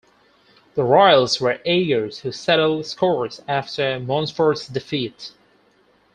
The royals were eager to settle scores after Montfort's defeat.